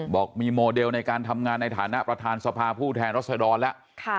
บอกมีโมเดลในการทำงานในฐานะประธานสภาผู้แทนรัศดรแล้ว